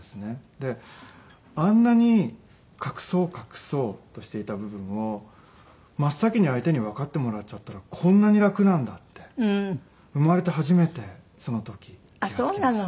であんなに隠そう隠そうとしていた部分を真っ先に相手にわかってもらっちゃったらこんなに楽なんだって生まれて初めてその時気が付きました。